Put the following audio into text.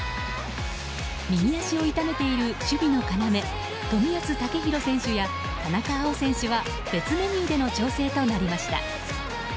右足を痛めている守備の要、冨安健洋選手や田中碧選手は別メニューでの調整となりました。